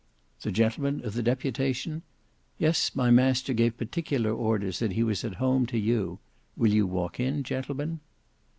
"The gentlemen of the deputation? Yes, my master gave particular orders that he was at home to you. Will you walk in, gentlemen?"